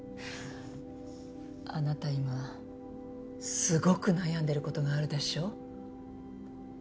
あなた今すごく悩んでることがあるでしょ？